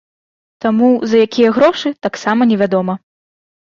Таму, за якія грошы, таксама не вядома.